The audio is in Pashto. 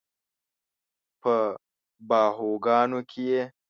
په باهوګانو کې یې